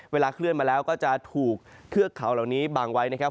เคลื่อนมาแล้วก็จะถูกเทือกเขาเหล่านี้บังไว้นะครับ